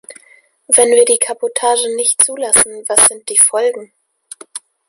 Wenn wir die Kabotage nicht zulassen, was sind die Folgen?